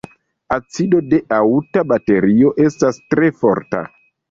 Acido de aŭta baterio estas tre forta.